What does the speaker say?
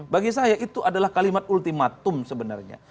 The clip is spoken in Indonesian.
bagi saya itu adalah kalimat ultimatum sebenarnya